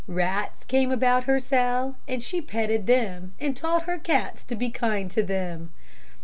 Rats came about her cell and she petted them and taught her cats to be kind to them.